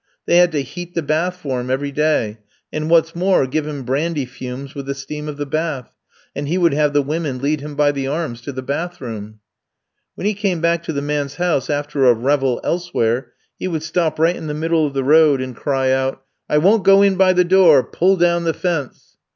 They had to heat the bath for him every day, and, what's more, give him brandy fumes with the steam of the bath: and he would have the women lead him by the arms to the bath room. "When he came back to the man's house after a revel elsewhere, he would stop right in the middle of the road and cry out: "'I won't go in by the door; pull down the fence!'